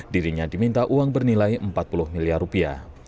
dirinya diminta uang bernilai empat puluh miliar rupiah